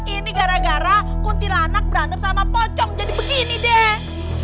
ini gara gara kuntilanak berantem sama pocong jadi begini deh